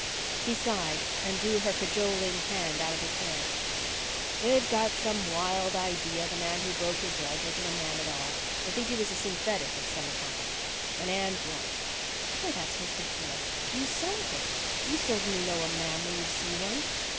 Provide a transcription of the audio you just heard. He sighed and drew her cajoling hand out of his hair. "They've got some wild idea the man who broke his leg wasn't a man at all. They think he was a synthetic of some kind. An android." "Why, that's ridiculous. You saw him. You certainly know a man when you see one."